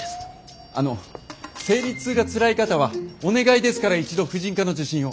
あの生理痛がつらい方はお願いですから一度婦人科の受診を！